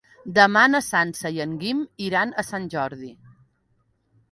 Demà na Sança i en Guim iran a Sant Jordi.